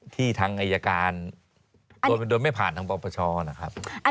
ที่ทางอัยการโดยไม่ผ่านทางประชานะครับ